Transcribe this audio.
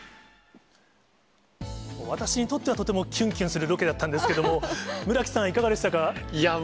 私にとっては、とてもきゅんきゅんするロケだったんですけども、いやー